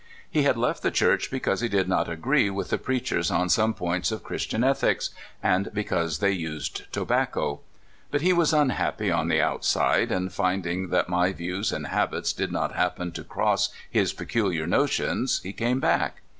He had left the Church because he did not agree with the preachers on some points of Christian ethics, and because they used tobacco. But he was unhappy on the outside; and, tinding (250) OLD MAN I.OWRY. 25 1 that my views and liabits did not happen to cross his pecuhar notions, he came back.